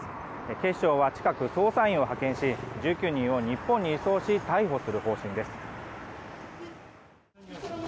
警視庁は近く捜査員を派遣し１９人を日本に移送し逮捕する方針です。